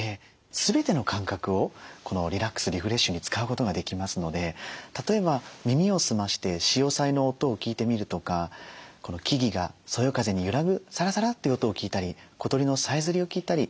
全ての感覚をこのリラックスリフレッシュに使うことができますので例えば耳をすまして潮騒の音を聴いてみるとか木々がそよ風に揺らぐサラサラという音を聴いたり小鳥のさえずりを聴いたり。